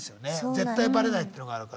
絶対バレないっていうのがあるから。